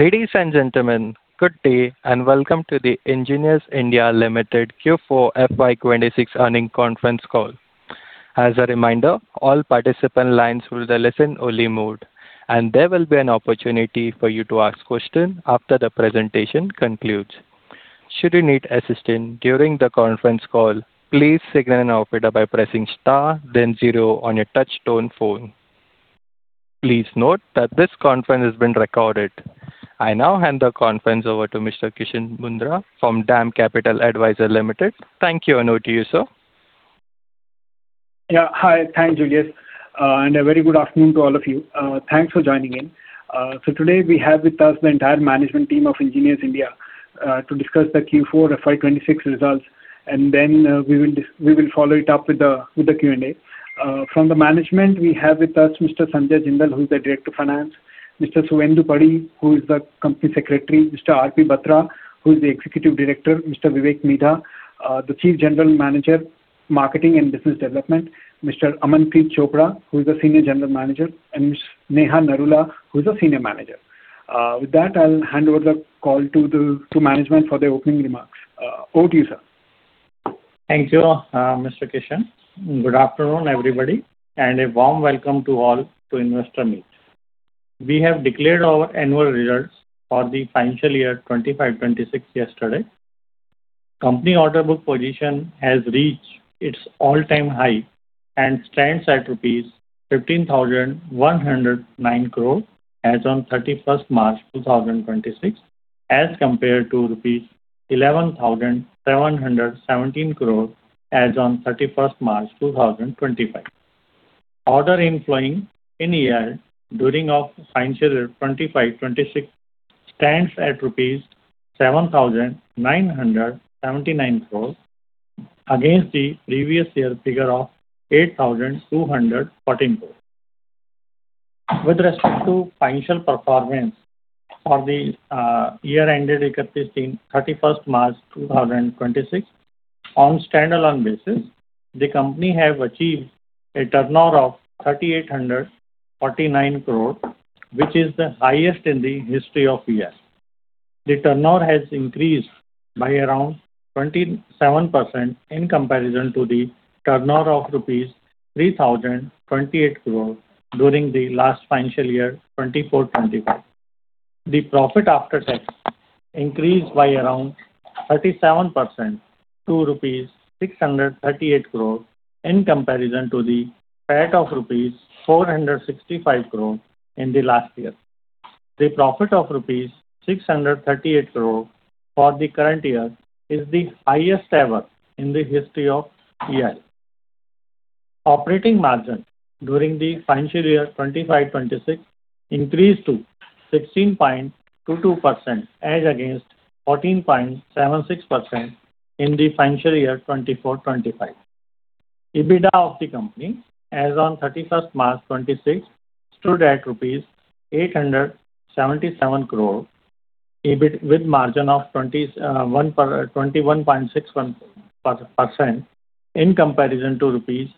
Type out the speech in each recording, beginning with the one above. Ladies and gentlemen, good day, and welcome to the Engineers India Ltd Q4 FY 2026 Earnings Conference Call. As a reminder, all participant lines will be listen only mode, and there will be an opportunity for you to ask questions after the presentation concludes. Should you need assistance during the conference call, please signal an operator by pressing star then zero on your touch tone phone. Please note that this conference is being recorded. I now hand the conference over to Mr. Kishan Mundra from DAM Capital Advisors Ltd. Thank you, and over to you, sir. Hi. Thanks, Julius, and a very good afternoon to all of you. Thanks for joining in. Today we have with us the entire management team of Engineers India, to discuss the Q4 FY26 results, and then we will follow it up with the Q&A. From the management we have with us Mr. Sanjay Jindal, who is the Director of Finance, Mr. Suvendu Kumar Padhi, who is the Company Secretary, Mr. R. P. Batra, who is the Executive Director of F&A, Mr. Vivek Midha, the Chief General Manager, Marketing and Business Development, Mr. Amanpreet Singh Chopra, who is the Senior General Manager, and Ms. Neha Narula, who is a Senior Manager. With that, I'll hand over the call to management for the opening remarks. Over to you, sir. Thank you, Mr. Kishan. Good afternoon, everybody, and a warm welcome to all to Investor Meet. We have declared our annual results for the financial year 25/26 yesterday. Company order book position has reached its all-time high and stands at 15,109 crore rupees as on 31st March 2026, as compared to 11,717 crore rupees as on 31st March 2025. Order inflowing in year during our financial year 25/26 stands at rupees 7,979 crore, against the previous year figure of 8,214 crore. With respect to financial performance for the year ended 31st March 2026, on standalone basis, the company have achieved a turnover of 3,849 crore, which is the highest in the history of year. The turnover has increased by around 27% in comparison to the turnover of rupees 3,028 crore during the last financial year, FY 2024-2025. The profit after tax increased by around 37% to 638 crore in comparison to the PAT of rupees 465 crore in the last year. The profit of rupees 638 crore for the current year is the highest ever in the history of EIL. Operating margin during the financial year FY 2025-2026 increased to 16.22% as against 14.76% in the financial year FY 2024-2025. EBITDA of the company as on 31st March 2026 stood at rupees 877 crore, EBIT with margin of 21.61% in comparison to rupees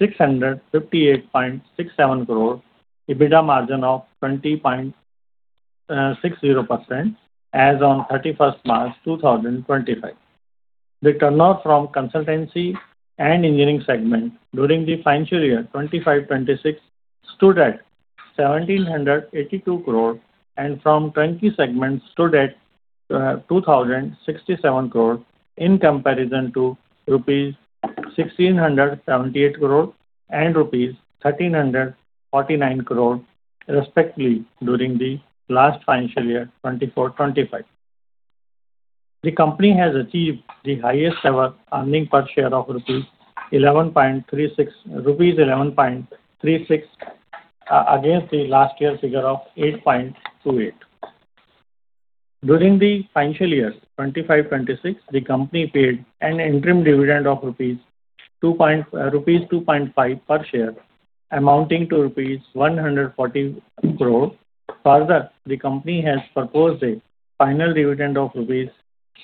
658.67 crore, EBITDA margin of 20.60% as on 31st March 2025. The turnover from consultancy and engineering segment during the financial year 2025-2026 stood at 1,782 crore, and from turnkey segment stood at 2,067 crore, in comparison to rupees 1,678 crore and rupees 1,349 crore respectively during the last financial year 2024-2025. The company has achieved the highest ever earning per share of 11.36 rupees against the last year's figure of 8.28. During the financial year 2025-2026, the company paid an interim dividend of rupees 2.5 per share, amounting to rupees 140 crore. The company has proposed a final dividend of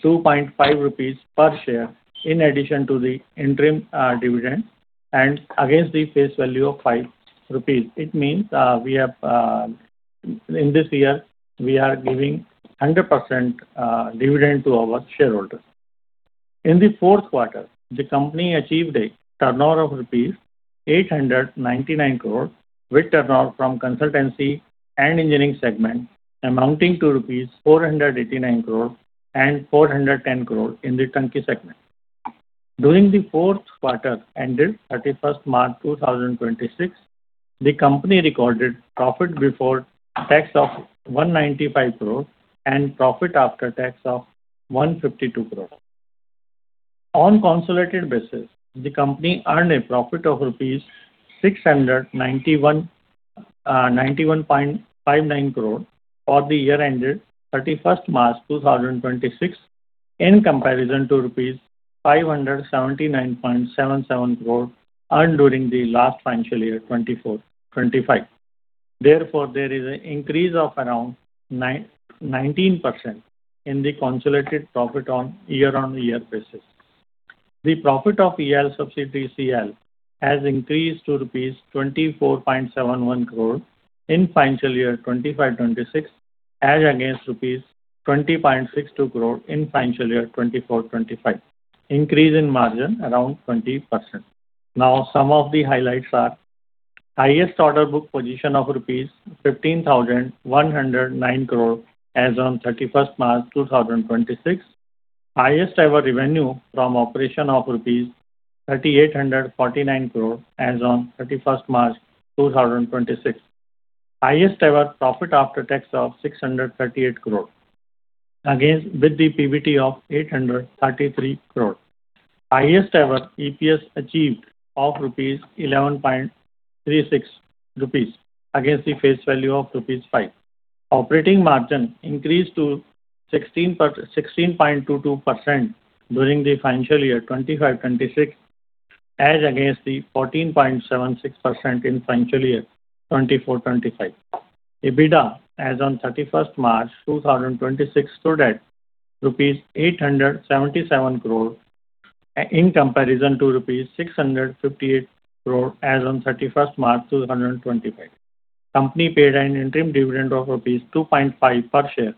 2.5 rupees per share in addition to the interim dividend and against the face value of 5 rupees. It means in this year, we are giving 100% dividend to our shareholders. In the fourth quarter, the company achieved a turnover of rupees 899 crore, with turnover from consultancy and engineering segment amounting to rupees 489 crore and 410 crore in the turnkey segment. During the fourth quarter ended 31st March 2026, the company recorded profit before tax of 195 crore and profit after tax of 152 crore. On consolidated basis, the company earned a profit of rupees 691.59 crore for the year ended 31st March 2026, in comparison to rupees 579.77 crore earned during the last financial year 2024/2025. Therefore, there is an increase of around 19% in the consolidated profit on year-on-year basis. The profit of EIL's subsidiary, CEIL, has increased to rupees 24.71 crore in financial year 2025/2026 as against rupees 20.62 crore in financial year 2024/2025. Increase in margin around 20%. Some of the highlights are highest order book position of rupees 15,109 crore as on 31st March 2026. Highest ever revenue from operation of rupees 3,849 crore as on 31st March 2026. Highest ever PAT of 638 crore against the PBT of 833 crore. Highest ever EPS achieved of 11.36 rupees against the face value of rupees 5. Operating margin increased to 16.22% during the financial year 2025/2026 as against the 14.76% in financial year 2024/2025. EBITDA as on 31st March 2026 stood at rupees 877 crore in comparison to rupees 658 crore as on 31st March 2025. Company paid an interim dividend of 2.5 per share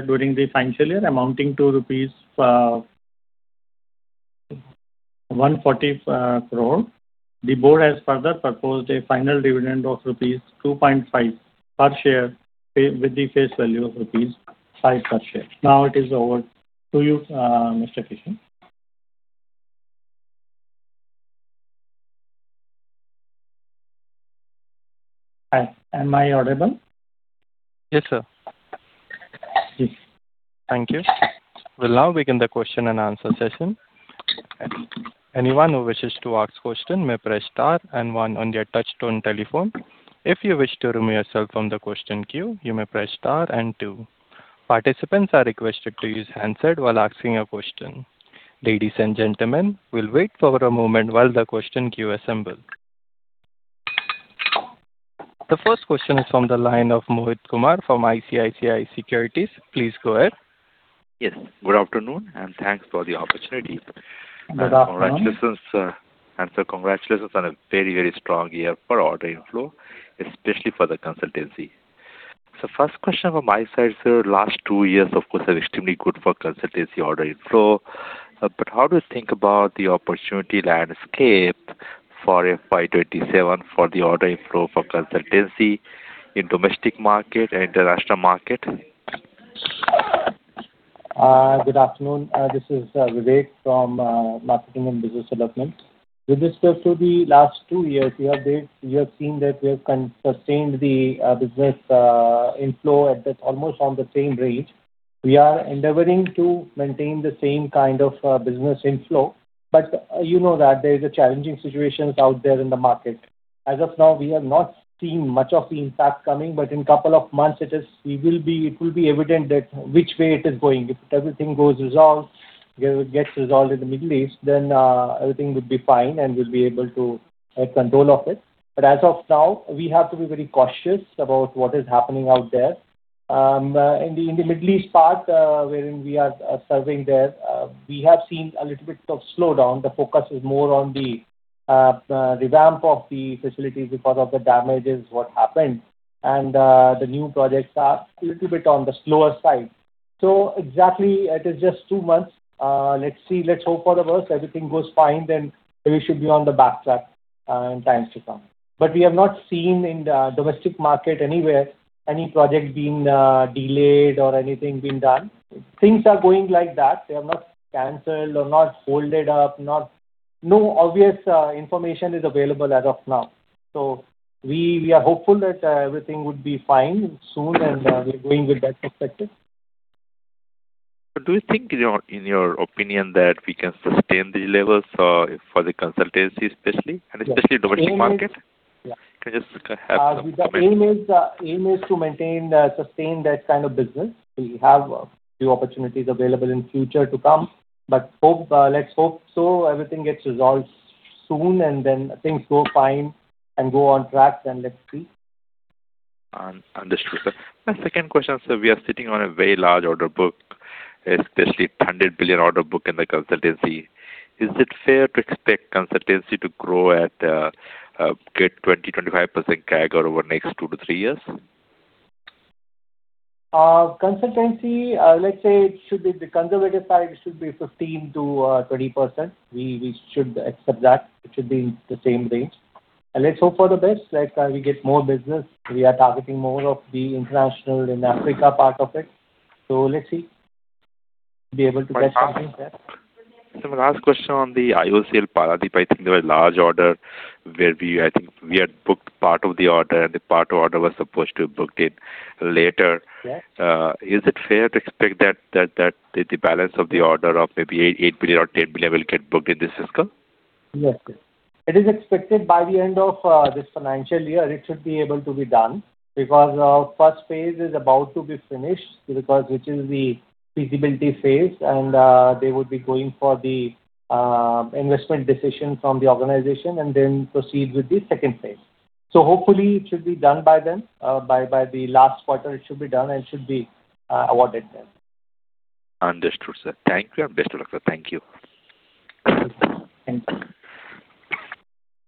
during the financial year amounting to rupees 140 crore. The board has further proposed a final dividend of rupees 2.5 per share with the face value of rupees 5 per share. Now it is over to you, Mr. Kishan. Hi, am I audible? Yes, sir. Yes. Thank you. We'll now begin the question and answer session. The first question is from the line of Mohit Kumar from ICICI Securities. Please go ahead. Yes, good afternoon, and thanks for the opportunity. Good afternoon. Sir, congratulations on a very, very strong year for order inflow, especially for the consultancy. First question from my side, sir. Last two years, of course, are extremely good for consultancy order inflow. How do you think about the opportunity landscape for FY 2027 for the order inflow for consultancy in domestic market and international market? Good afternoon. This is Vivek from Marketing and Business Development. With respect to the last 2 years, we have seen that we have sustained the business inflow at almost on the same range. We are endeavoring to maintain the same kind of business inflow. You know that there is a challenging situations out there in the market. As of now, we have not seen much of the impact coming. In couple of months it will be evident that which way it is going. If everything goes resolved, gets resolved in the Middle East, then everything would be fine, and we'll be able to take control of it. As of now, we have to be very cautious about what is happening out there. In the Middle East part wherein we are serving there, we have seen a little bit of slowdown. The focus is more on the revamp of the facilities because of the damages what happened, and the new projects are little bit on the slower side. Exactly it is just two months. Let's see. Let's hope for the best. Everything goes fine, then we should be on the backtrack in times to come. We have not seen in the domestic market anywhere any project being delayed or anything being done. Things are going like that. They are not canceled or not folded up. No obvious information is available as of now. We are hopeful that everything would be fine soon, and we're going with that perspective. Do you think, in your opinion, that we can sustain these levels for the consultancy especially, and especially domestic market? Yeah. Can I just have some comment? Our aim is to maintain, sustain that kind of business. We have few opportunities available in future to come, but let's hope so everything gets resolved soon, and then things go fine and go on track, and let's see. Understood, sir. My second question, sir. We are sitting on a very large order book, especially 100 billion order book in the consultancy. Is it fair to expect consultancy to grow at 20%-25% CAGR over next 2-3 years? Consultancy, let's say it should be the conservative side, it should be 15%-20%. We should accept that. It should be the same range. Let's hope for the best, like we get more business. We are targeting more of the international in Africa part of it. Let's see. Be able to get something there. Sir, my last question on the IOCL Paradip. I think there was large order where I think we had booked part of the order, and the part order was supposed to be booked in later. Yes. Is it fair to expect that the balance of the order of maybe 8 billion or 10 billion will get booked in this fiscal? Yes. It is expected by the end of this financial year, it should be able to be done because our first phase is about to be finished because which is the feasibility phase, and they would be going for the investment decision from the organization and then proceed with the second phase. Hopefully it should be done by then. By the last quarter it should be done and should be awarded then. Understood, sir. Thank you. Understood. Thank you. Thank you.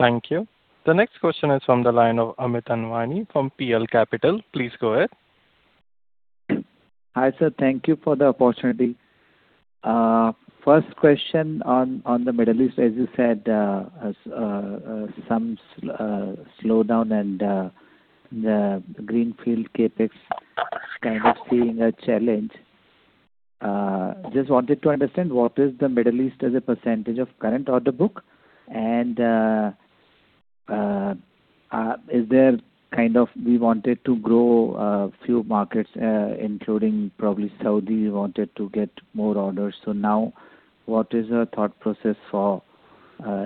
Thank you. The next question is from the line of Amit Anwani from PL Capital. Please go ahead. Hi, sir. Thank you for the opportunity. First question on the Middle East, as you said, some slowdown and the greenfield CapEx is kind of seeing a challenge. Just wanted to understand what is the Middle East as a percentage of current order book, and is there kind of we wanted to grow a few markets, including probably Saudi, we wanted to get more orders. Now, what is your thought process for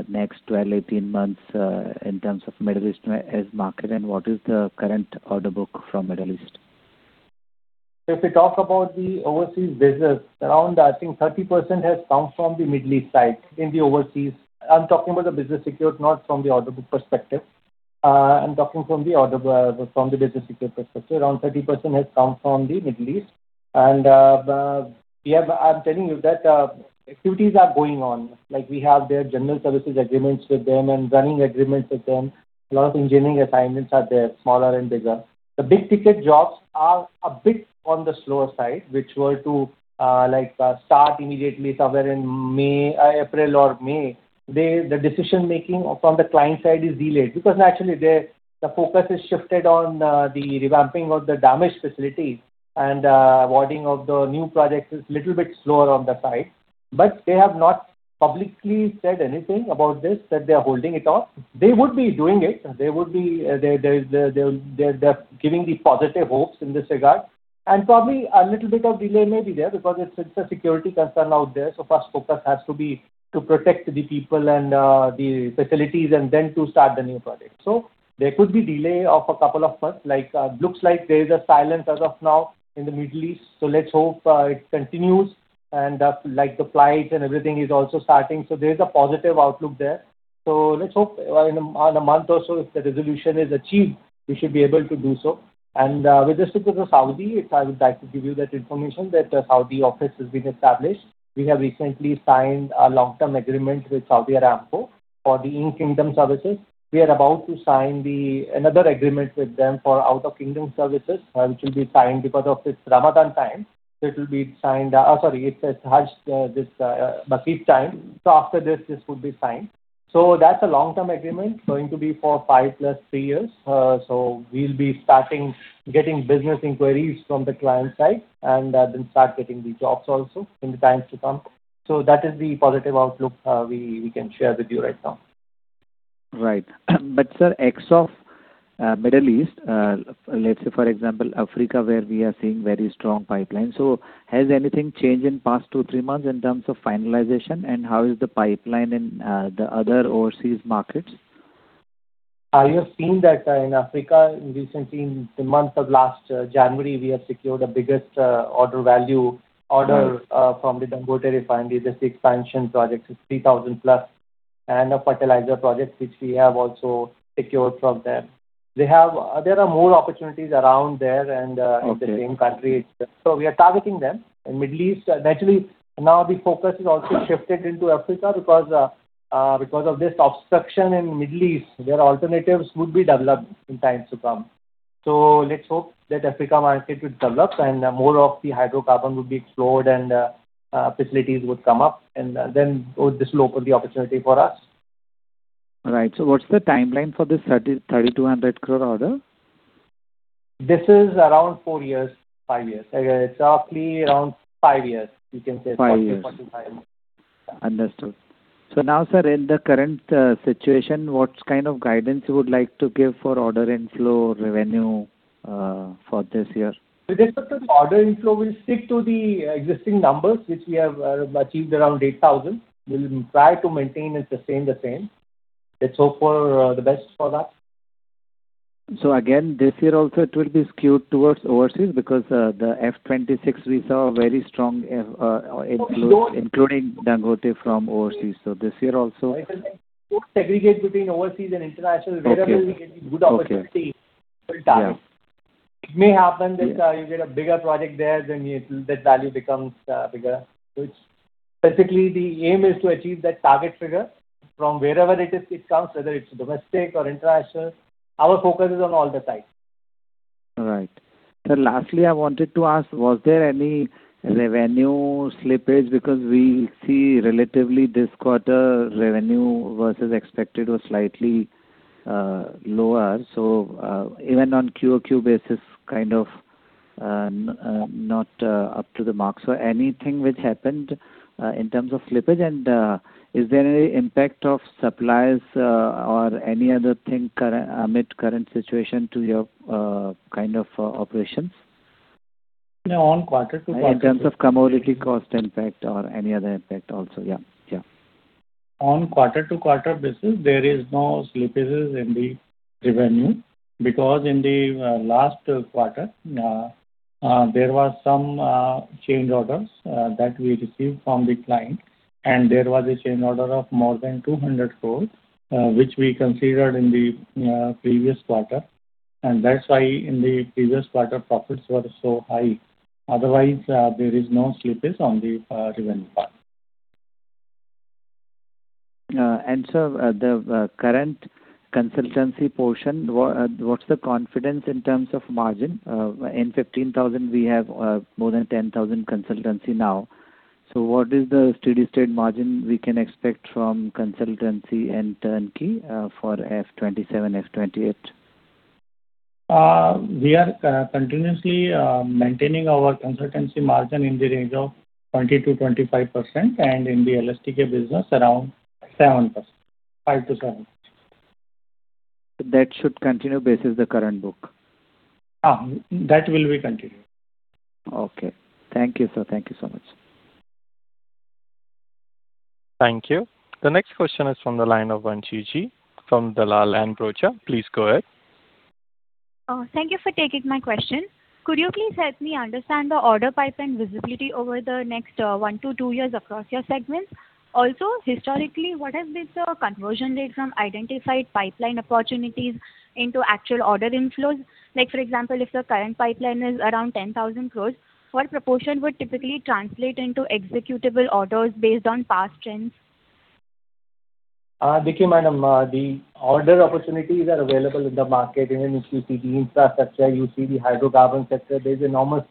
next 12, 18 months in terms of Middle East as market, and what is the current order book from Middle East? If we talk about the overseas business, around, I think 30% has come from the Middle East side in the overseas. I'm talking about the business secured, not from the order book perspective. I'm talking from the business secured perspective. Around 30% has come from the Middle East. I'm telling you that activities are going on. We have their general services agreements with them and running agreements with them. A lot of engineering assignments are there, smaller and bigger. The big-ticket jobs are a bit on the slower side, which were to start immediately somewhere in April or May. The decision-making from the client side is delayed because naturally, the focus is shifted on the revamping of the damaged facilities, and awarding of the new projects is little bit slower on the side. They have not publicly said anything about this, that they're holding it off. They would be doing it. They're giving the positive hopes in this regard, and probably a little bit of delay may be there because it's a security concern out there. First focus has to be to protect the people and the facilities, and then to start the new project. There could be delay of a couple of months. Looks like there is a silence as of now in the Middle East. Let's hope it continues, and the flight and everything is also starting. There is a positive outlook there. Let's hope in a month or so, if the resolution is achieved, we should be able to do so. With respect to the Saudi, I would like to give you that information that a Saudi office has been established. We have recently signed a long-term agreement with Saudi Aramco for the in-kingdom services. We are about to sign another agreement with them for out of kingdom services, which will be signed because of this Ramadan time. Sorry, it's Hajj, this Bakrid time. After this would be signed. That's a long-term agreement, going to be for 5 plus 3 years. We'll be starting getting business inquiries from the client side and then start getting the jobs also in the times to come. That is the positive outlook we can share with you right now. Right. Sir, ex of Middle East, let's say, for example, Africa, where we are seeing very strong pipeline. Has anything changed in past two, three months in terms of finalization, and how is the pipeline in the other overseas markets? You have seen that in Africa recently, in the month of last January, we have secured the biggest order value order from the Dangote Refinery, that's the expansion project, it's 3,000 plus, and a fertilizer project which we have also secured from them. There are more opportunities around there and in the same country. We are targeting them. In Middle East, naturally now the focus is also shifted into Africa because of this obstruction in Middle East, where alternatives would be developed in times to come. Let's hope that Africa market would develop and more of the hydrocarbon would be explored and facilities would come up, and then this will open the opportunity for us. Right. What's the timeline for this 3,200 crore order? This is around 4 years, 5 years. It's roughly around 5 years, you can say. Five years. 40, 45. Understood. Now, sir, in the current situation, what kind of guidance you would like to give for order inflow, revenue for this year? With respect to the order inflow, we'll stick to the existing numbers, which we have achieved around 8,000. We'll try to maintain it the same. Let's hope for the best for that. Again, this year also it will be skewed towards overseas because the FY 2026 we saw very strong including Dangote from overseas. I said don't segregate between overseas and international. Okay. Wherever we get the good opportunity, we'll target. Yeah. It may happen that you get a bigger project there. That value becomes bigger. Basically, the aim is to achieve that target figure from wherever it comes, whether it's domestic or international. Our focus is on all the sides. Right. Sir, lastly, I wanted to ask, was there any revenue slippage? We see relatively this quarter revenue versus expected was slightly lower. Even on quarter-over-quarter basis, kind of not up to the mark. Anything which happened in terms of slippage, and is there any impact of supplies or any other thing amid current situation to your kind of operations? No, on quarter-to-quarter. In terms of commodity cost impact or any other impact also. Yeah. On quarter-to-quarter basis, there is no slippages in the revenue. In the last quarter, there were some change orders that we received from the client, and there was a change order of more than 200 crores, which we considered in the previous quarter. That's why in the previous quarter, profits were so high. Otherwise, there is no slippage on the revenue part. Sir, the current consultancy portion, what's the confidence in terms of margin? In 15,000, we have more than 10,000 consultancy now. What is the steady-state margin we can expect from consultancy and turnkey for FY 2027, FY 2028? We are continuously maintaining our consultancy margin in the range of 20%-25%, and in the LSTK business, around 5%-7%. That should continue basis the current book. That will be continued. Okay. Thank you, sir. Thank you so much. Thank you. The next question is from the line of Vanshi G from Dalal & Broacha. Please go ahead. Thank you for taking my question. Could you please help me understand the order pipeline visibility over the next 1-2 years across your segments? Historically, what has been the conversion rate from identified pipeline opportunities into actual order inflows? For example, if the current pipeline is around 10,000 crore, what proportion would typically translate into executable orders based on past trends? Madam, the order opportunities are available in the market in which you see the infrastructure, you see the hydrocarbon sector. There's enormous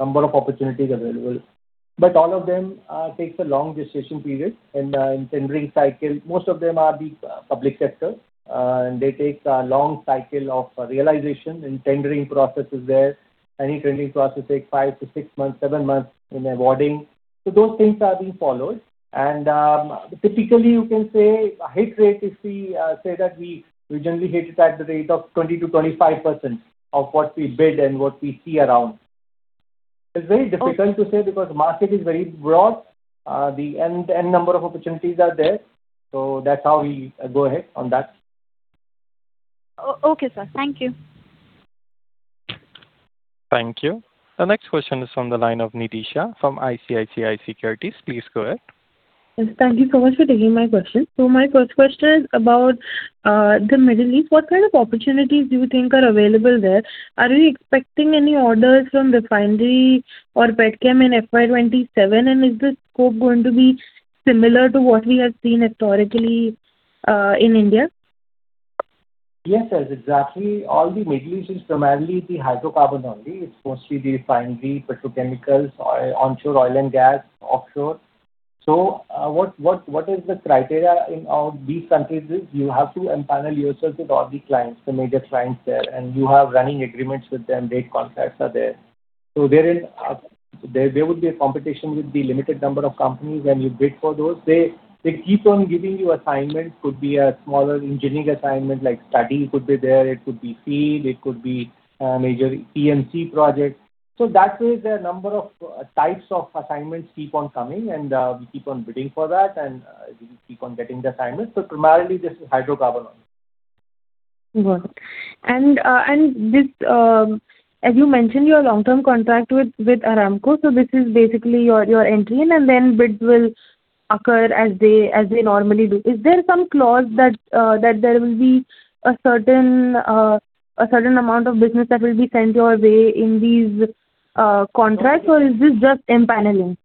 number of opportunities available. All of them take a long gestation period in the tendering cycle. Most of them are the public sector, and they take a long cycle of realization, and tendering process is there. Any tendering process takes 5 to 6 months, 7 months in awarding. Those things are being followed. Typically, you can say hit rate is we say that we generally hit it at the rate of 20%-25% of what we bid and what we see around. It's very difficult to say because market is very broad. The end number of opportunities are there. That's how we go ahead on that. Okay, sir. Thank you. Thank you. The next question is from the line of Nitisha from ICICI Securities. Please go ahead. Thank you so much for taking my question. My first question is about the Middle East. What kind of opportunities do you think are available there? Are you expecting any orders from refinery or petchem in FY 2027, and is the scope going to be similar to what we have seen historically in India? Yes, exactly. All the Middle East is primarily the hydrocarbon only. It's mostly the refinery, petrochemicals, onshore oil and gas, offshore. What is the criteria in all these countries is you have to empanel yourself with all the clients, the major clients there, and you have running agreements with them, rate contracts are there. There would be a competition with the limited number of companies, and you bid for those. They keep on giving you assignments. Could be a smaller engineering assignment, like study could be there, it could be field, it could be a major PMC project. That way, the number of types of assignments keep on coming, and we keep on bidding for that, and we keep on getting the assignments. Primarily, this is hydrocarbon only. Got it. As you mentioned, your long-term contract with Aramco, this is basically your entry, bids will occur as they normally do. Is there some clause that there will be a certain amount of business that will be sent your way in these contracts, or is this just empaneling?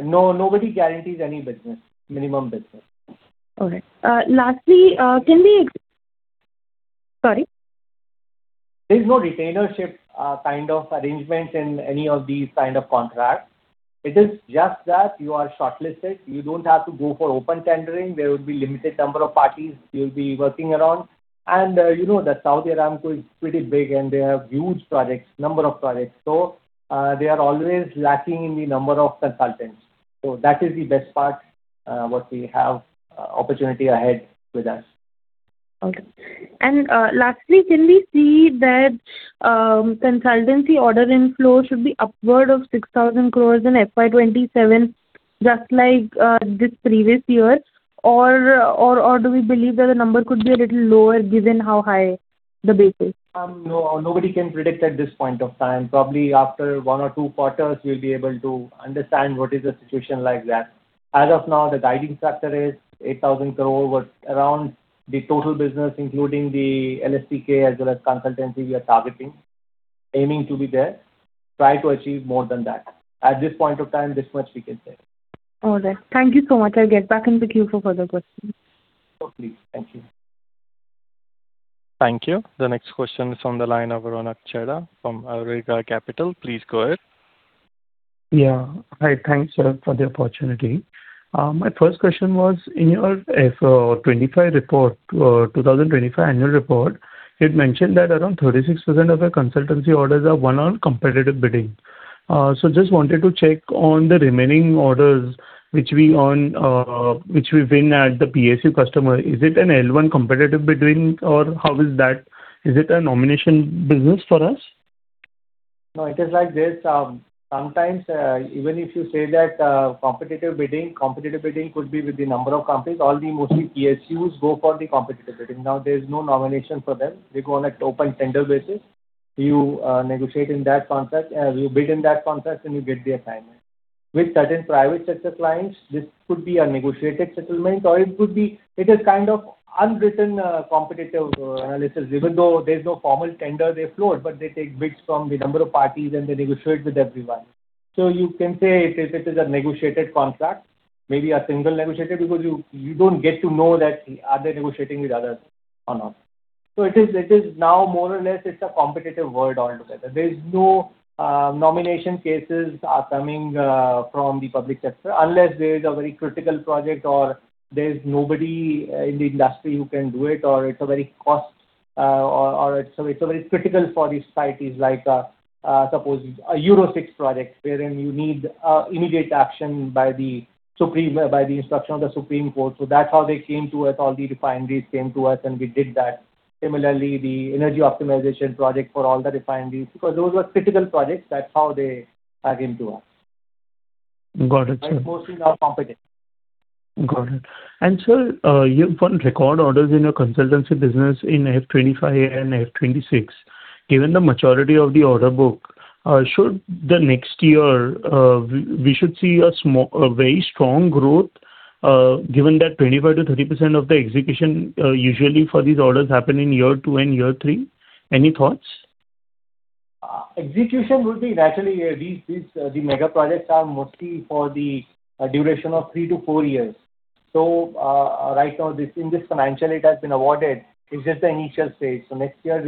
No, nobody guarantees any minimum business. All right. Lastly, can we. Sorry. There's no retainership kind of arrangement in any of these kind of contracts. It is just that you are shortlisted. You don't have to go for open tendering. There would be limited number of parties you'll be working around. You know that Saudi Aramco is pretty big, and they have huge projects, number of projects. They are always lacking in the number of consultants. That is the best part, what we have opportunity ahead with us. Okay. Lastly, can we see that consultancy order inflow should be upward of 6,000 crores in FY 2027, just like this previous year? Do we believe that the number could be a little lower given how high the base is? Nobody can predict at this point of time. Probably after 1 or 2 quarters, we'll be able to understand what is the situation like that. As of now, the guiding factor is 8,000 crore around the total business, including the LSTK as well as consultancy we are targeting, aiming to be there. Try to achieve more than that. At this point of time, this much we can say. All right. Thank you so much. I'll get back in with you for further questions. Okay. Thank you. Thank you. The next question is from the line of Ronak Chheda from Awriga Capital. Please go ahead. Yeah. Hi. Thanks for the opportunity. My first question was, in your 2025 annual report, you'd mentioned that around 36% of your consultancy orders are won on competitive bidding. Just wanted to check on the remaining orders which we win at the PSU customer. Is it an L1 competitive bidding, or how is that? Is it a nomination business for us? No, it is like this. Sometimes, even if you say that competitive bidding, competitive bidding could be with the number of companies. Mostly PSUs go for the competitive bidding. There is no nomination for them. They go on an open tender basis. You negotiate in that contract, you bid in that contract, and you get the assignment. With certain private sector clients, this could be a negotiated settlement. It is kind of unwritten competitive analysis. Even though there's no formal tender they float, they take bids from the number of parties, and they negotiate with everyone. You can say it is a negotiated contract, maybe a single negotiated, because you don't get to know that are they negotiating with others or not. It is now more or less, it's a competitive world altogether. There's no nomination cases are coming from the public sector unless there is a very critical project, or there's nobody in the industry who can do it, or it's a very cost, or it's very critical for the societies. Like, suppose a Euro VI project wherein you need immediate action by the instruction of the Supreme Court. That's how they came to us, all the refineries came to us, and we did that. Similarly, the energy optimization project for all the refineries, because those were critical projects. That's how they came to us. Got it, sir. Mostly now competitive. Got it. Sir, you've got record orders in your consultancy business in FY 2025 and FY 2026. Given the maturity of the order book, should the next year, we should see a very strong growth, given that 25% to 30% of the execution usually for these orders happen in year two and year three? Any thoughts? Execution would be naturally, the mega projects are mostly for the duration of three to four years. Right now in this financial it has been awarded, it is just the initial stage. Next year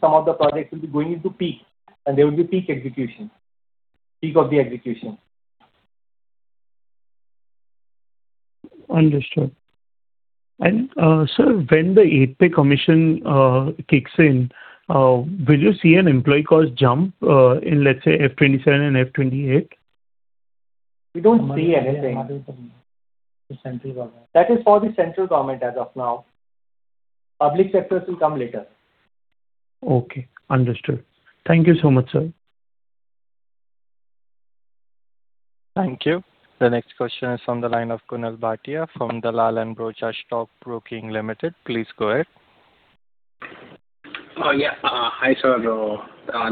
some of the projects will be going into peak, and there will be peak execution. Peak of the execution. Understood. Sir, when the 8th Pay Commission kicks in, will you see an employee cost jump in, let's say, FY 2027 and FY 2028? We don't see anything. The central government. That is for the central government as of now. Public sectors will come later. Okay, understood. Thank you so much, sir. Thank you. The next question is from the line of Kunal Bhatia from Dalal & Broacha Stock Broking Ltd. Please go ahead. Yeah. Hi, sir.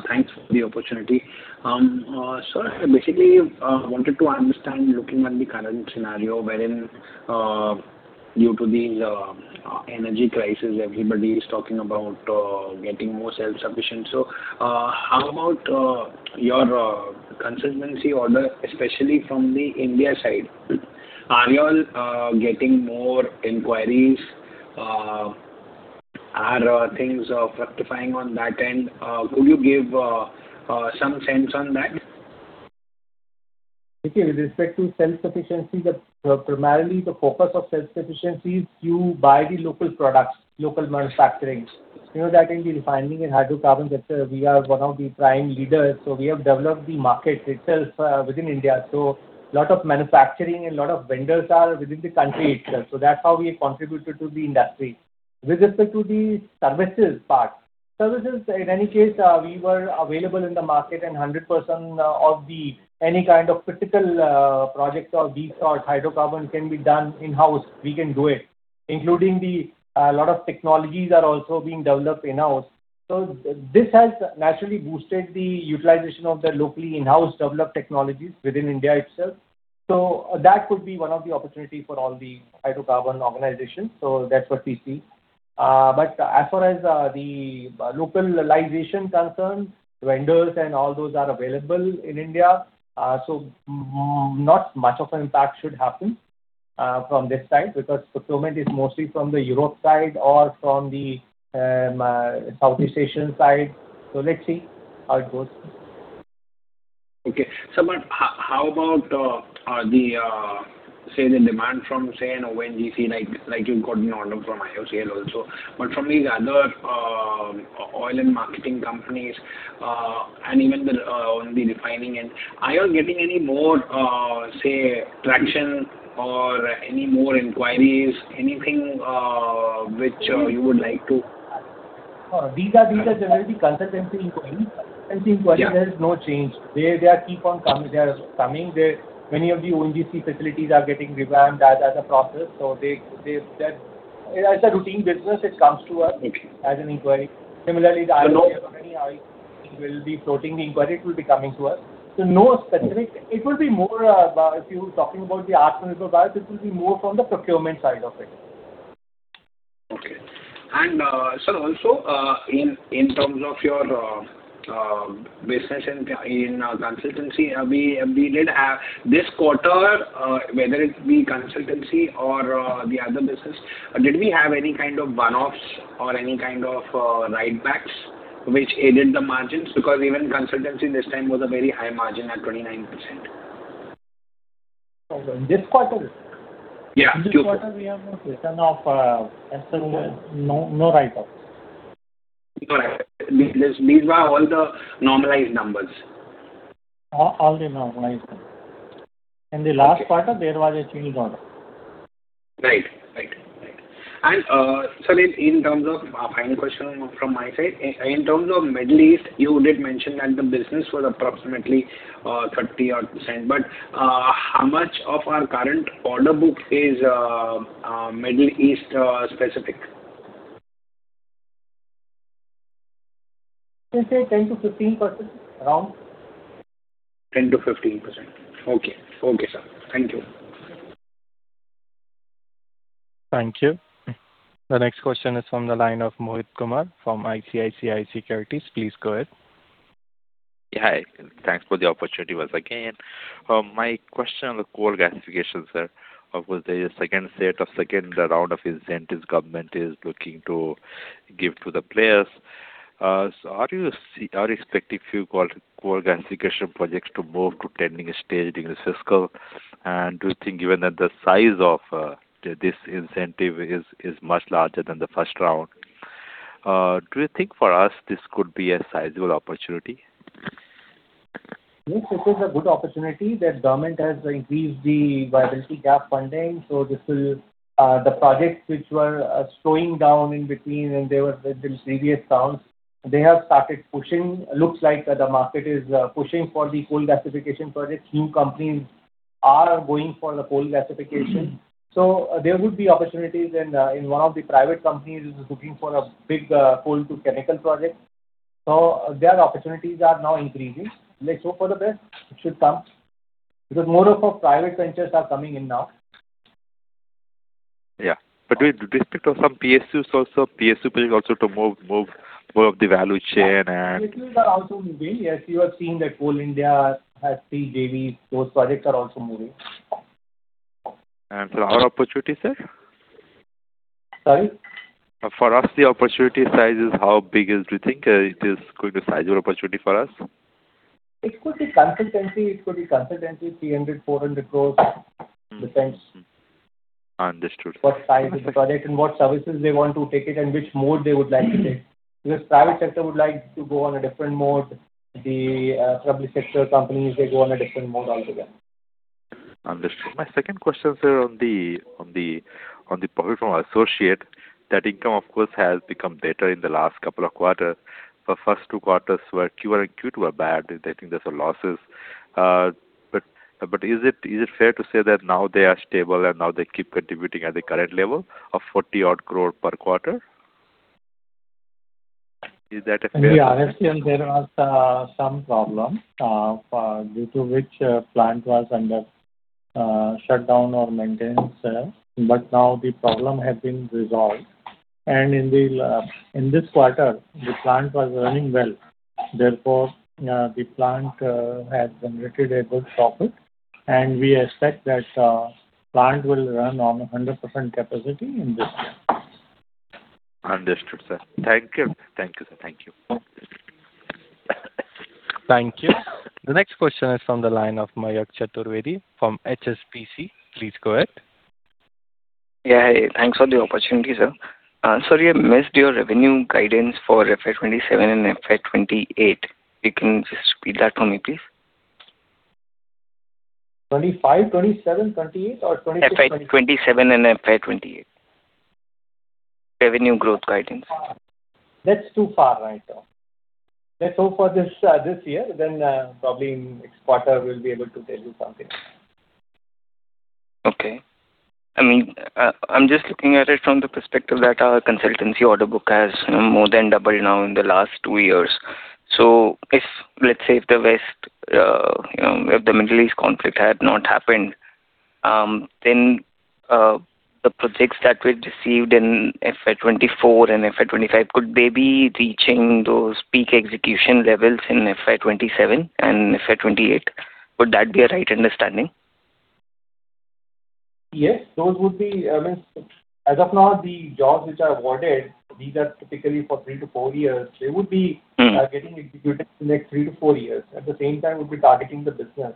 Thanks for the opportunity. Sir, I basically wanted to understand, looking at the current scenario wherein, due to the energy crisis, everybody is talking about getting more self-sufficient. How about your consultancy order, especially from the India side? Are you all getting more inquiries? Are things rectifying on that end? Could you give some sense on that? Okay. With respect to self-sufficiency, primarily the focus of self-sufficiency is you buy the local products, local manufacturing. You know that in the refining and hydrocarbon sector, we are one of the prime leaders. We have developed the market itself within India. Lot of manufacturing and lot of vendors are within the country itself. That's how we have contributed to the industry. With respect to the services part. Services, in any case, we were available in the market, and 100% of any kind of critical projects of these sort hydrocarbon can be done in-house. We can do it. Including a lot of technologies are also being developed in-house. This has naturally boosted the utilization of the locally in-house developed technologies within India itself. That could be one of the opportunity for all the hydrocarbon organizations. That's what we see. As far as the localization concerned, vendors and all those are available in India. Not much of an impact should happen from this side, because procurement is mostly from the Europe side or from the Southeast Asian side. Let's see how it goes. Okay. Sir, how about, say the demand from, say, an ONGC, like you've got an order from IOCL also? From these other oil and marketing companies, and even on the refining end, are you all getting any more, say, traction or any more inquiries? Anything which you would like to? These are generally consultancy inquiries. Yeah. There is no change. They keep on coming. They are coming. Many of the ONGC facilities are getting revamped as a process, so as a routine business, it comes to us as an inquiry. Similarly, the IOC- So no- many IOC will be floating the inquiry, it will be coming to us. No specific. It will be more, if you're talking about the parts and supplies, it will be more from the procurement side of it. Okay. Sir, also, in terms of your business in consultancy, this quarter, whether it be consultancy or the other business, did we have any kind of one-offs or any kind of write-backs which aided the margins? Because even consultancy this time was a very high margin at 29%. This quarter? Yeah, Q4. This quarter we have no written off. As such, no write-offs. Got it. These were all the normalized numbers. All the normalized numbers. In the last quarter, there was a change order. Right. Sir, final question from my side. In terms of Middle East, you did mention that the business was approximately 30% but how much of our current order book is Middle East specific? I can say 10%-15%, around. 10%-15%. Okay, sir. Thank you. Thank you. The next question is from the line of Mohit Kumar from ICICI Securities. Please go ahead. Hi. Thanks for the opportunity once again. My question on the coal gasification, sir. Of course, there is second set or second round of incentives Government is looking to give to the players. Are you expecting few coal gasification projects to move to tendering stage in this fiscal? Do you think given that the size of this incentive is much larger than the first round, do you think for us this could be a sizable opportunity? Yes, this is a good opportunity that Government has increased the viability gap funding. The projects which were slowing down in between, in the previous rounds, they have started pushing. Looks like the market is pushing for the coal gasification projects. New companies are going for the coal gasification. There would be opportunities and one of the private companies is looking for a big coal to chemical project. Their opportunities are now increasing. Let's hope for the best. It should come, because more of our private ventures are coming in now. Yeah. Do you expect some PSUs also to move more of the value chain? PSUs are also moving. Yes, you are seeing that Coal India has 3 JVs. Those projects are also moving. Our opportunity, sir? Sorry? For us, do you think it is going to sizable opportunity for us? It could be consultancy 300 crores, 400 crores. Depends. Understood what size of the project and what services they want to take it and which mode they would like to take. Private sector would like to go on a different mode. The public sector companies, they go on a different mode altogether. Understood. My second question, sir, on the profit from our associate. That income of course, has become better in the last couple of quarters. First two quarters Q1 and Q2 were bad. I think there were losses. Is it fair to say that now they are stable and now they keep contributing at the current level of 40 odd crore per quarter? Is that a fair? In RSPL there was some problem, due to which plant was under shutdown or maintenance. Now the problem has been resolved. In this quarter, the plant was running well. Therefore, the plant has generated a good profit, and we expect that plant will run on 100% capacity in this year. Understood, sir. Thank you, sir. Thank you. The next question is from the line of Mayank Chaturvedi from HSBC. Please go ahead. Hi. Thanks for the opportunity, sir. Sir, you have missed your revenue guidance for FY 2027 and FY 2028. You can just repeat that for me, please? 25, 27, 28 or 26? FY 2027 and FY 2028. Revenue growth guidance. That's too far right now. Let's hope for this year, then probably next quarter we'll be able to tell you something. Okay. I'm just looking at it from the perspective that our consultancy order book has more than doubled now in the last two years. If, let's say, if the Middle East conflict had not happened, then the projects that we'd received in FY 2024 and FY 2025, could they be reaching those peak execution levels in FY 2027 and FY 2028? Would that be a right understanding? Yes. As of now, the jobs which are awarded, these are typically for 3 to 4 years. They would be getting executed in the next 3 to 4 years. At the same time, we'll be targeting the business.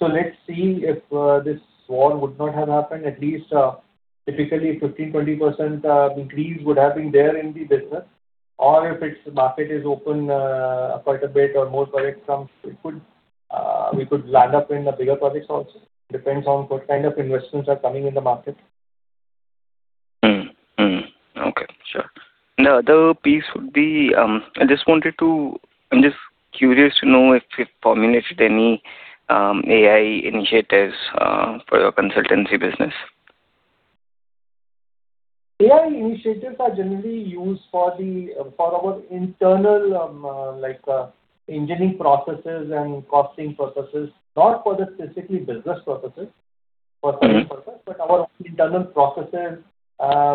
Let's see, if this war would not have happened, at least typically 15%-20% decrease would have been there in the business. If its market is open quite a bit or more projects comes, we could land up in bigger projects also. It depends on what kind of investments are coming in the market. Okay. Sure. The other piece would be, I'm just curious to know if you've formulated any AI initiatives for your consultancy business. AI initiatives are generally used for our internal engineering processes and costing processes, not for the specifically business processes for selling purpose. Our internal processes,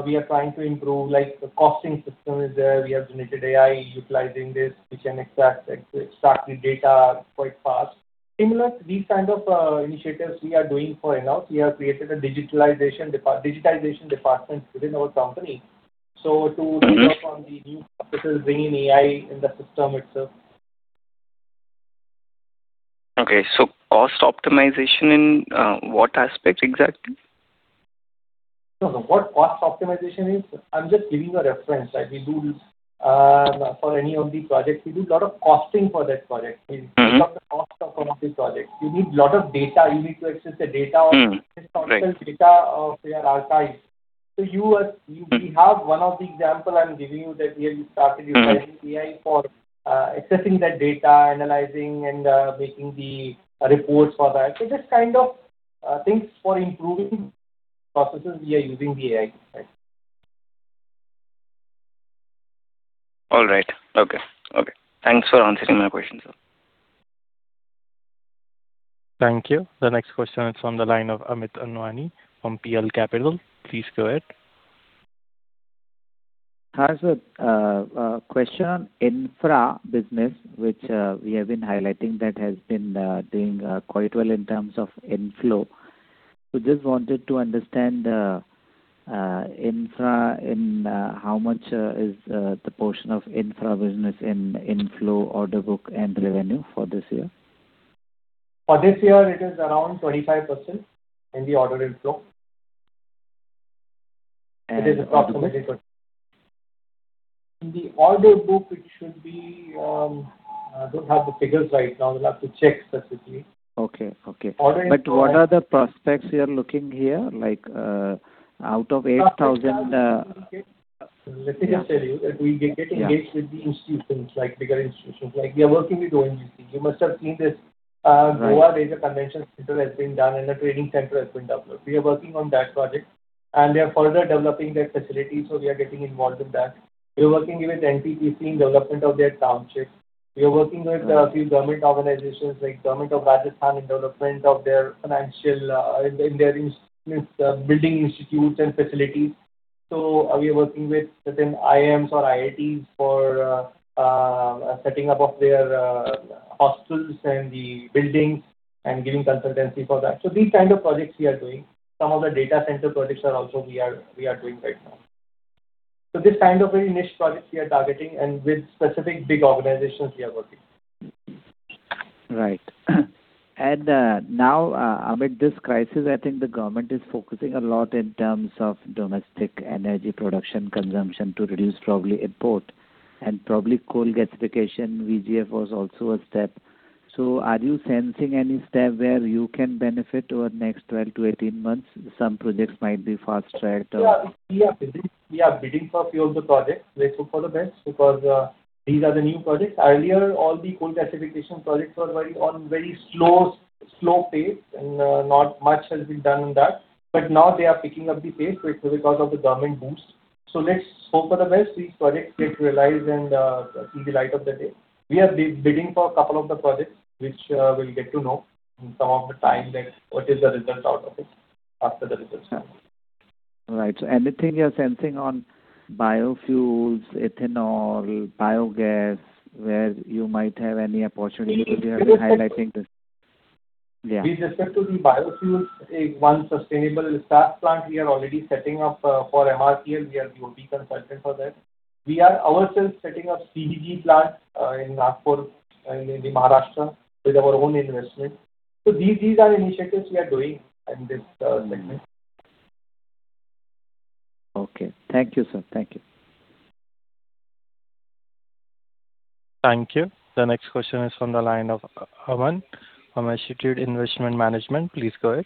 we are trying to improve, like the costing system is there. We have generated AI utilizing this. We can extract the data quite fast. Similar, these kind of initiatives we are doing for in-house. We have created a digitalization department within our company. To work on the new processes, bring in AI in the system itself. Okay. Cost optimization in what aspects exactly? What cost optimization is, I'm just giving a reference, like we do for any of the projects, we do a lot of costing for that project. We look at the cost of one of the projects. You need a lot of data. You need to access the data. Right. Historical data of their archives. We have one of the example I'm giving you that we have started utilizing AI for accessing that data, analyzing, and making the reports for that. Just kind of things for improving processes, we are using the AI. All right. Okay. Thanks for answering my question, sir. Thank you. The next question is from the line of Amit Anwani from PL Capital. Please go ahead. Hi, sir. Question on infra business, which we have been highlighting that has been doing quite well in terms of inflow. Just wanted to understand how much is the portion of infra business in inflow order book and revenue for this year. For this year it is around 25% in the order inflow. Approximate? In the order book it should be I don't have the figures right now. We'll have to check specifically. Okay. Order inflow. What are the prospects you're looking here? Like, out of 8,000 Let me just tell you that we get engaged with the institutions, like bigger institutions. We are working with ONGC. You must have seen this. Right. Raise a convention center has been done and a training center has been developed. We are working on that project, and they are further developing that facility, so we are getting involved with that. We are working with NTPC in development of their township. We are working with a few government organizations like government of Rajasthan in development of their building institutes and facilities. We are working with certain IIMs or IITs for setting up of their hostels and the buildings, and giving consultancy for that. These kind of projects we are doing. Some of the data center projects also we are doing right now. This kind of very niche projects we are targeting and with specific big organizations we are working. Right. Now amid this crisis, I think the government is focusing a lot in terms of domestic energy production consumption to reduce probably import and probably coal gasification, VGF was also a step. Are you sensing any step where you can benefit over next 12-18 months, some projects might be fast-tracked? We are bidding for a few of the projects. Let's hope for the best because these are the new projects. Earlier, all the coal gasification projects were on very slow pace, and not much has been done on that. Now they are picking up the pace because of the government boost. Let's hope for the best these projects get realized and see the light of the day. We are bidding for a couple of the projects, which we'll get to know in some of the time then what is the result out of it after the results come. Right. Anything you're sensing on biofuels, ethanol, biogas, where you might have any opportunity? Because you have been highlighting this. Yeah. With respect to the biofuels, one sustainable SAF plant we are already setting up for MRPL. We are the OSBL consultant for that. We are ourselves setting up CBG plant in Nagpur, in the Maharashtra with our own investment. These are initiatives we are doing in this segment. Okay. Thank you, sir. Thank you. The next question is from the line of Aman from Institute Investment Management. Please go ahead.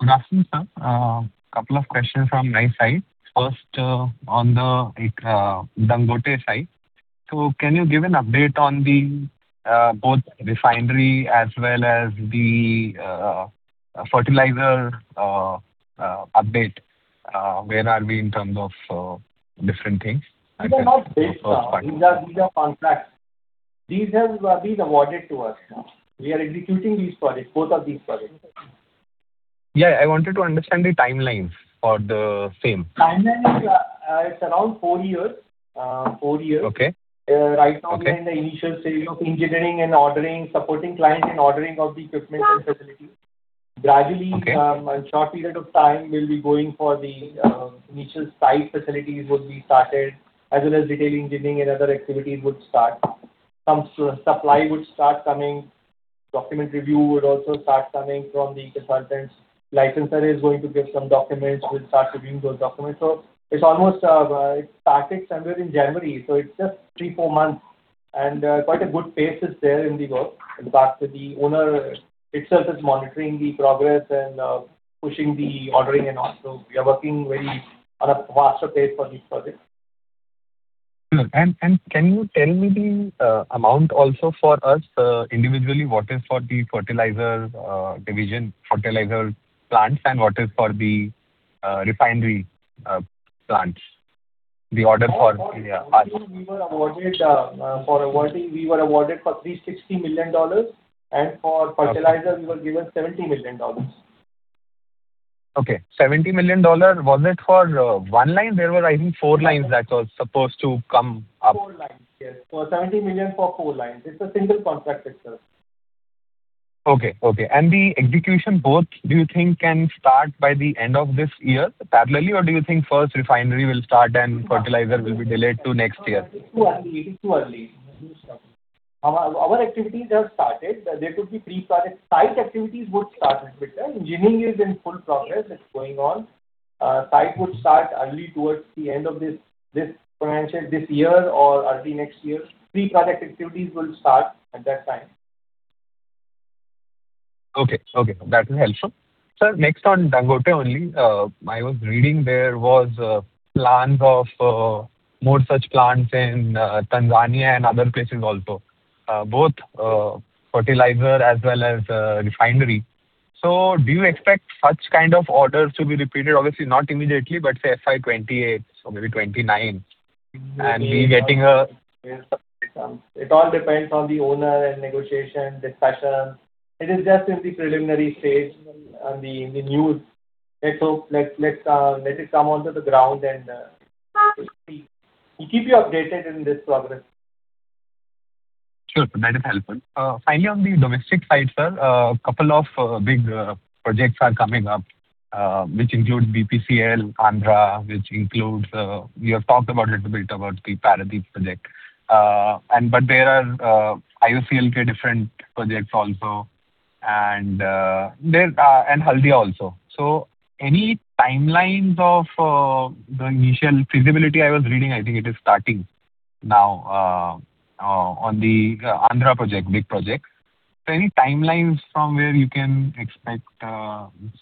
Good afternoon, sir. 2 questions from my side. First, on the Dangote side. Can you give an update on the both refinery as well as the fertilizer update? Where are we in terms of different things? These are contracts. These have been awarded to us. We are executing both of these projects. I wanted to understand the timelines for the same. Timeline, it's around four years. Okay. Right now we're in the initial stage of engineering and supporting client and ordering of the equipment and facility. Okay. In short period of time we'll be going for the initial site facilities will be started, as well as detail engineering and other activities would start. Some supply would start coming. Document review would also start coming from the consultants. Licensor is going to give some documents. We'll start reviewing those documents. It started somewhere in January, so it's just three, four months, and quite a good pace is there in the work. In fact, the owner itself is monitoring the progress and pushing the ordering and all. We are working very on a faster pace for this project. Can you tell me the amount also for us individually, what is for the fertilizer division, fertilizer plants, and what is for the refinery plants? For refinery we were awarded $360 million, and for fertilizer we were given $70 million. Okay. $70 million, was it for one line? There were, I think, four lines that was supposed to come up. 4 lines, yes. $70 million for 4 lines. It's a single contract, sir. Okay. The execution both, do you think can start by the end of this year parallelly, or do you think first refinery will start and fertilizer will be delayed to next year? It's too early to discuss. Our activities have started. There could be pre-project site activities would start it, Aman. Engineering is in full progress. It's going on. Site would start early towards the end of this financial year or early next year. Pre-project activities will start at that time. Okay. That is helpful. Sir, next on Dangote only. I was reading there was plans of more such plants in Tanzania and other places also, both fertilizer as well as refinery. Do you expect such kind of orders to be repeated? Obviously not immediately, but say FY 2028 or maybe FY 2029. It all depends on the owner and negotiation, discussion. It is just in the preliminary stage on the news. Let it come onto the ground and we'll see. We'll keep you updated in this progress. Sure. That is helpful. Finally, on the domestic side, sir, couple of big projects are coming up, which include BPCL Andhra, which includes, we have talked about it a bit about the Paradip project. There are IOCL different projects also and Haldia also. Any timelines of the initial feasibility? I was reading, I think it is starting now on the Andhra project, big project. Any timelines from where you can expect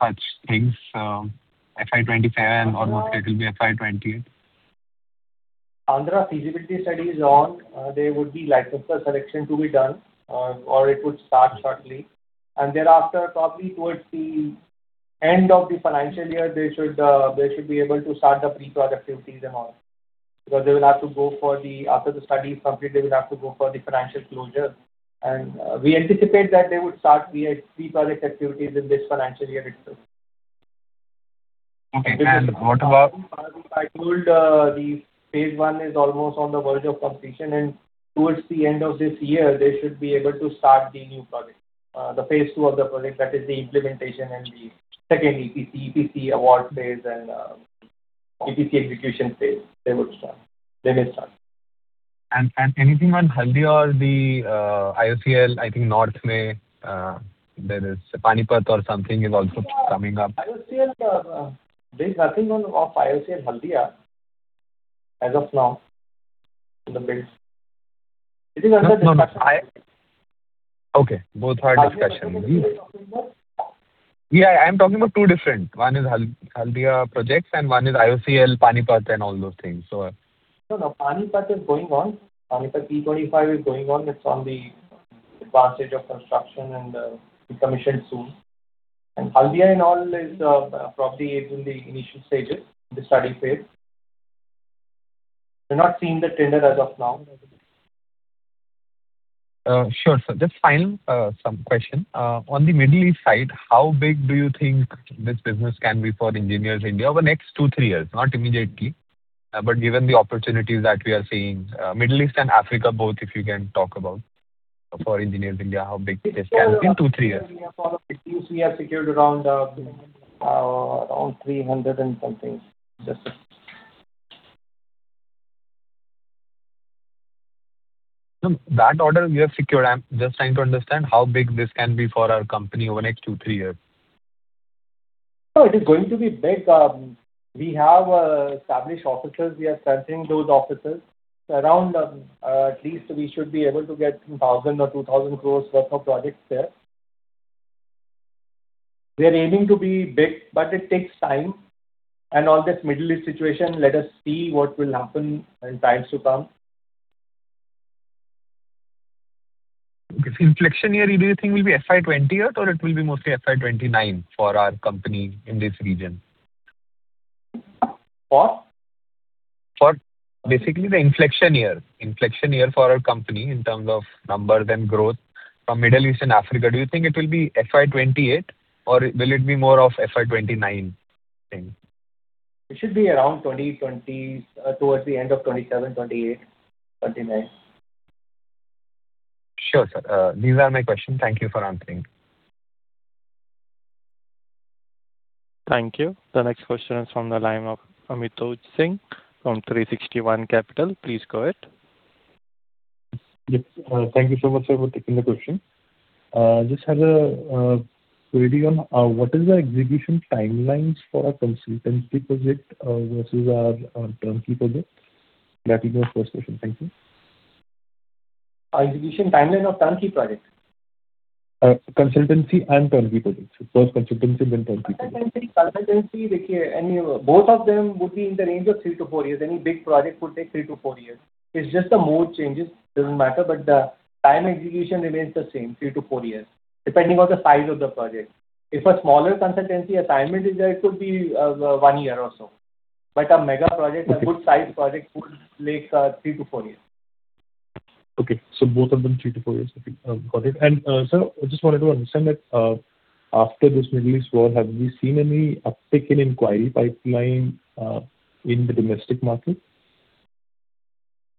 such things, FY 2025 or it will be FY 2028? Andhra feasibility study is on. There would be licensor selection to be done or it would start shortly. Thereafter, probably towards the end of the financial year, they should be able to start the pre-product activities and all. Because after the study is complete, they would have to go for the financial closure. We anticipate that they would start pre-product activities in this financial year itself. Okay. I told the phase I is almost on the verge of completion, and towards the end of this year, they should be able to start the new project, the phase 2 of the project, that is the implementation and the second EPC award phase and EPC execution phase, they may start. Anything on Haldia or the IOCL, I think there is Panipat or something is also coming up. There's nothing of IOCL Haldia as of now in the mix. It is under discussion. Okay. Both are discussion. Haldia you are talking about? Yeah, I'm talking about two different. One is Haldia projects and one is IOCL Panipat and all those things. Panipat is going on. Panipat P25 is going on. It's on the advanced stage of construction and will be commissioned soon. Haldia is probably in the initial stages, the study phase. We're not seeing the tender as of now. Sure, sir. Just final some question. On the Middle East side, how big do you think this business can be for Engineers India over next 2, 3 years? Not immediately, given the opportunities that we are seeing, Middle East and Africa both, if you can talk about for Engineers India, how big this can be in 2, 3 years. For Middle East, we have secured around 300 and something. No, that order we have secured. I'm just trying to understand how big this can be for our company over next 2, 3 years. No, it is going to be big. We have established offices. We are searching those offices. Around at least we should be able to get 1,000 crore or 2,000 crore worth of projects there. We are aiming to be big, but it takes time, and all this Middle East situation, let us see what will happen in times to come. Inflection year, do you think will be FY 2028 or it will be mostly FY 2029 for our company in this region? For? For basically the inflection year. Inflection year for our company in terms of numbers and growth from Middle East and Africa. Do you think it will be FY 2028 or will it be more of FY 2029 thing? It should be around 2020, towards the end of 2027, 2028, 2029. Sure, sir. These are my questions. Thank you for answering. Thank you. The next question is from the line of Amitoj Singh from 360 ONE Capital. Please go ahead. Yes. Thank you so much, sir, for taking the question. Just had a query on what is the execution timelines for a consultancy project versus a turnkey project? That is my first question. Thank you. Execution timeline of turnkey projects? Consultancy and turnkey projects. First consultancy, then turnkey projects. Consultancy, both of them would be in the range of 3 to 4 years. Any big project would take 3 to 4 years. It's just the mode changes, doesn't matter. The time execution remains the same, 3 to 4 years, depending on the size of the project. If a smaller consultancy assignment is there, it could be 1 year or so. A mega project, a good size project would take 3 to 4 years. Okay. Both of them 3-4 years. Got it. Sir, I just wanted to understand that after this Middle East war, have we seen any uptick in inquiry pipeline in the domestic market,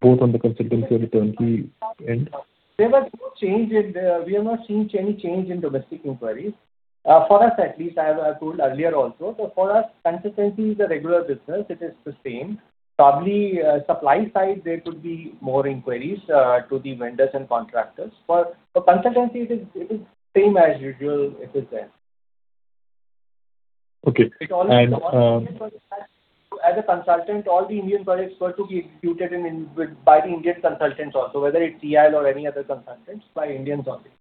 both on the consultancy and turnkey end? We have not seen any change in domestic inquiries. For us at least, I have told earlier also. For us, consultancy is a regular business. It is the same. Probably, supply side, there could be more inquiries to the vendors and contractors. For consultancy, it is same as usual, it is there. Okay. As a consultant, all the Indian projects were to be executed by the Indian consultants also, whether it's TCE or any other consultants, by Indians only.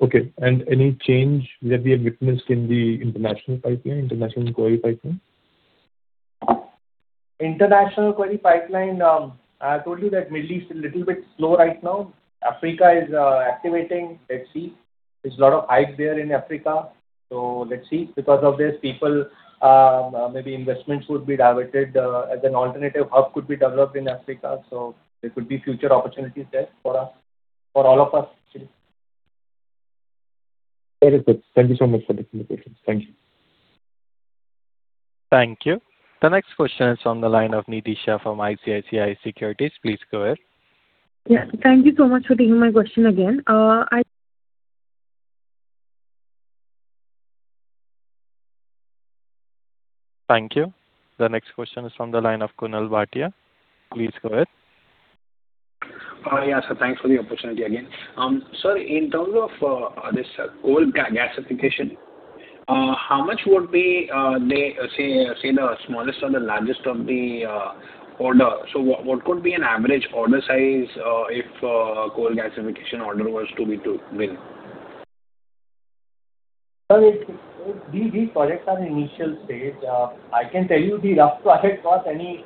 Okay. Any change that we have witnessed in the international pipeline, international query pipeline? International query pipeline, I told you that Middle East is a little bit slow right now. Africa is activating. Let's see. There's a lot of hype there in Africa, so let's see. Because of this, maybe investments would be diverted, as an alternative hub could be developed in Africa. There could be future opportunities there for all of us, actually. Very good. Thank you so much for the clarification. Thank you. Thank you. The next question is on the line of Nitisha from ICICI Securities. Please go ahead. Yeah. Thank you so much for taking my question again. Thank you. The next question is from the line of Kunal Bhatia. Please go ahead. Yeah, sir. Thanks for the opportunity again. Sir, in terms of this coal gasification, how much would be, say, the smallest or the largest of the order? What could be an average order size if a coal gasification order was to win? Sir, these projects are initial stage. I can tell you the rough project cost. Any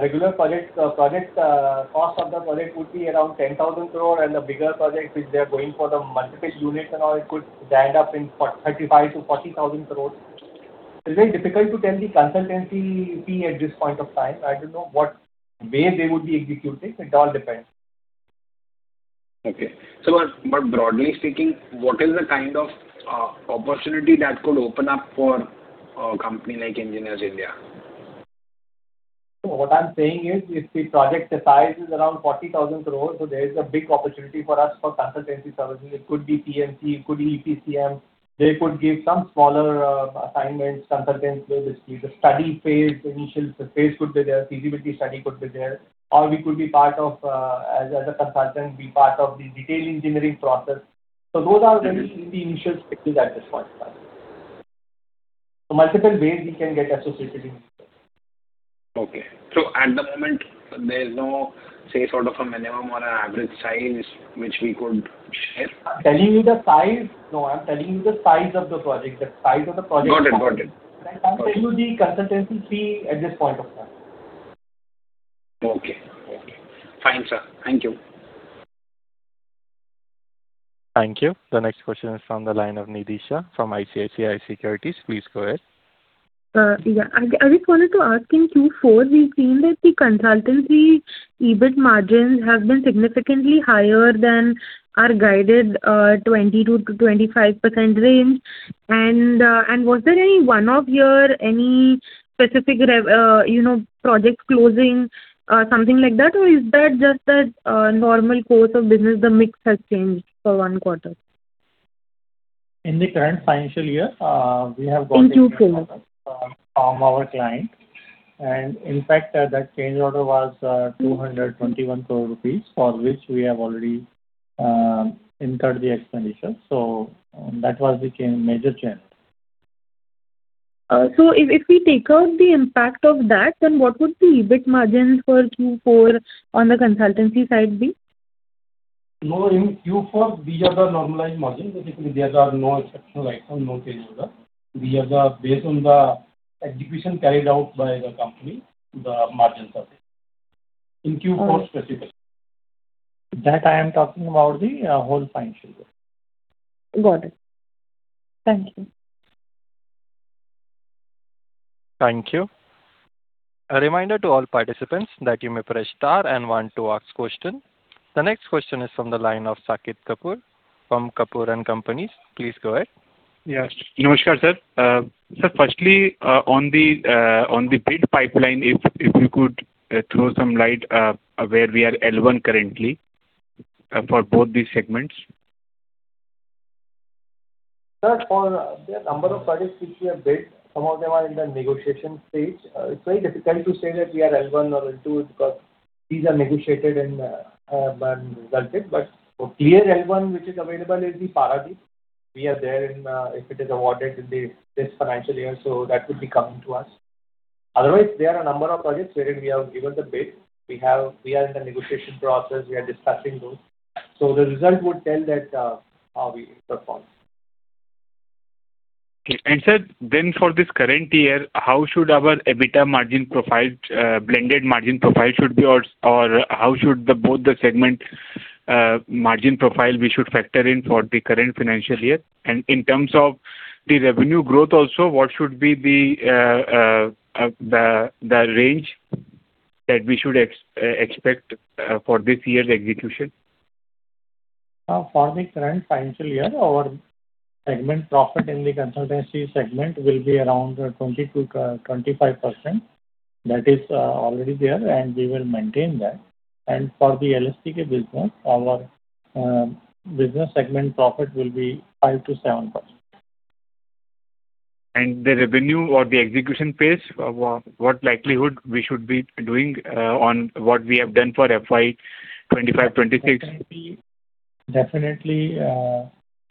regular project, cost of the project would be around ₹10,000 crore, and the bigger project, which they are going for the multiple units and all, it could land up in ₹35,000-₹40,000 crore. It's very difficult to tell the consultancy fee at this point of time. I don't know what way they would be executing. It all depends. Broadly speaking, what is the kind of opportunity that could open up for a company like Engineers India? What I'm saying is, if the project size is around 40,000 crore, there is a big opportunity for us for consultancy services. It could be PMC, it could be EPCM. They could give some smaller assignments, consultancy, which means the study phase, initial phase could be there, feasibility study could be there, or we could, as a consultant, be part of the detailed engineering process. the initial stages at this point in time. Multiple ways we can get associated in this. Okay. At the moment, there's no, say, sort of a minimum or an average size which we could share? No, I'm telling you the size of the project. Got it. I can't tell you the consultancy fee at this point of time. Okay. Fine, sir. Thank you. Thank you. The next question is from the line of Nitisha from ICICI Securities. Please go ahead. Yeah. I just wanted to ask in Q4, we've seen that the consultancy EBIT margins have been significantly higher than our guided 20%-25% range. Was there any one-off year, any specific project closing, something like that? Is that just that normal course of business, the mix has changed for one quarter? In the current financial year, we have got. In Q4. from our client. In fact, that change order was ₹221 crore, for which we have already incurred the expenditure. That was the major change. If we take out the impact of that, what would the EBIT margins for Q4 on the consultancy side be? No, in Q4, these are the normalized margins. Basically, there are no exceptional items, no change order. These are based on the execution carried out by the company, the margins are there. In Q4 specifically. That I am talking about the whole financial year. Got it. Thank you. Thank you. A reminder to all participants that you may press star and one to ask question. The next question is from the line of Saket Kapoor from Kapoor & Company. Please go ahead. Yes. Namaskar, sir. Sir, firstly, on the bid pipeline, if you could throw some light where we are L1 currently for both the segments. Sir, for the number of projects which we have bid, some of them are in the negotiation stage. It's very difficult to say that we are L1 or L2 because these are negotiated and resulted. Clear L1 which is available is the Paradip. We are there. If it is awarded in this financial year, that would be coming to us. Otherwise, there are a number of projects wherein we have given the bid. We are in the negotiation process, we are discussing those. The result would tell that how we perform. Okay. Sir, for this current year, how should our EBITDA margin profile, blended margin profile should be, or how should both the segment margin profile we should factor in for the current financial year? In terms of the revenue growth also, what should be the range that we should expect for this year's execution? For the current financial year, our segment profit in the consultancy segment will be around 20%-25%. That is already there, we will maintain that. For the LSTK business, our business segment profit will be 5%-7%. The revenue or the execution pace, what likelihood we should be doing on what we have done for FY 2025/2026? Definitely.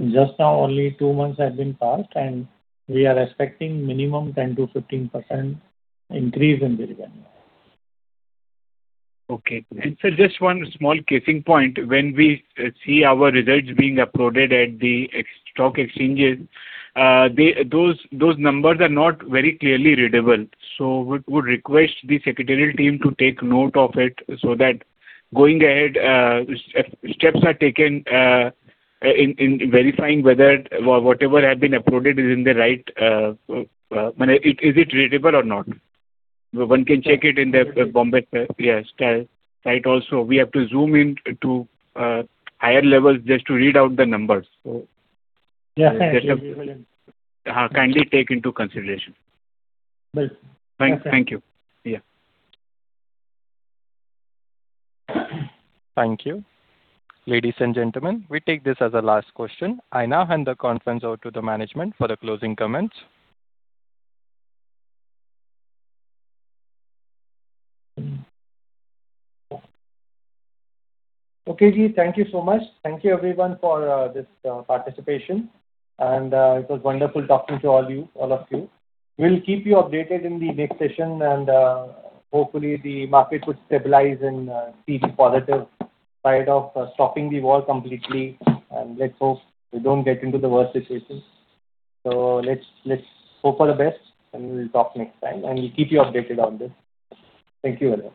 Just now, only two months have been passed, and we are expecting minimum 10%-15% increase in the revenue. Okay. Sir, just one small case in point. When we see our results being uploaded at the stock exchanges, those numbers are not very clearly readable. We would request the secretarial team to take note of it so that going ahead, steps are taken in verifying whether whatever has been uploaded, is it readable or not. One can check it in the Bombay site also. We have to zoom in to higher levels just to read out the numbers. Yes. Kindly take into consideration. Right. Thank you. Thank you. Ladies and gentlemen, we take this as the last question. I now hand the conference over to the management for the closing comments. Okay. Thank you so much. Thank you everyone for this participation. It was wonderful talking to all of you. We'll keep you updated in the next session. Hopefully the market would stabilize and see the positive side of stopping the war completely. Let's hope we don't get into the worse situation. Let's hope for the best. We'll talk next time. We'll keep you updated on this. Thank you all.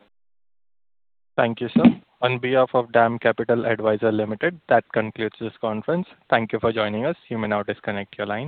Thank you, sir. On behalf of DAM Capital Advisors Ltd., that concludes this conference. Thank you for joining us. You may now disconnect your line.